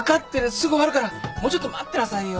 すぐ終わるからもうちょっと待ってなさいよ。